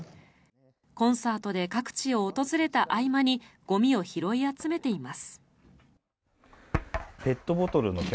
コンサートで各地を訪れた合間にゴミを拾い集めています。